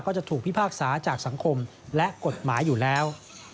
จะถูกพิพากษาจากสังคมและกฎหมายอยู่แล้ว